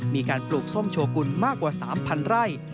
มีการปลูกส้มโชกุลมากกว่า๓๐๐ไร่